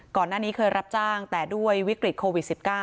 ก่อนหน้านี้เคยรับจ้างแต่ด้วยวิกฤตโควิด๑๙